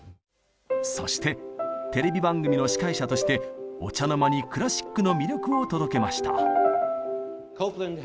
そしてテレビ番組の司会者としてお茶の間にクラシックの魅力を届けました。